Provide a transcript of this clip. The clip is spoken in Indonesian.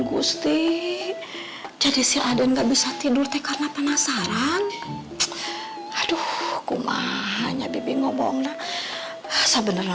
justi jadi si aden gak bisa tidur teh karena penasaran aduh kumanya bibi ngomongnya sebenernya